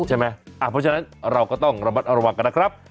เพราะฉะนั้นเราก็ต้องระมัดระวังกันนะครับ